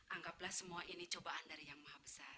anggaplah semua ini cobaan dari yang maha besar